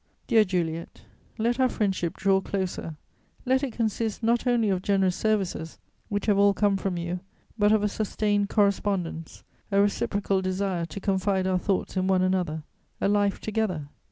Dear Juliet, let our friendship draw closer; let it consist not only of generous services, which have all come from you, but of a sustained correspondence, a reciprocal desire to confide our thoughts in one another, a life together.